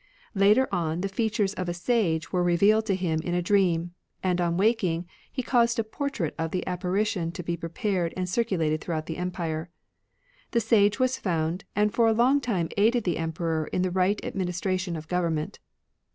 Later on, the features of a sage were revealed to him in a dream ; and on waking, he caused a portrait of the apparition to be prepared and circulated throughout the empire. The sage was found, and for a long time aided the Emperor m the right administration of government.